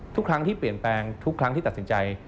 ทุกครั้งที่เปลี่ยนแปลงทุกครั้งที่ตัดสินใจ